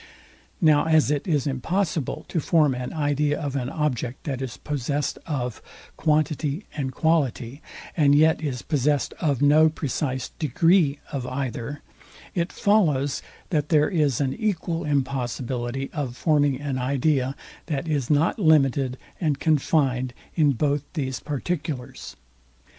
Now as it is impossible to form an idea of an object, that is possest of quantity and quality, and yet is possest of no precise degree of either; it follows that there is an equal impossibility of forming an idea, that is not limited and confined in both these particulars.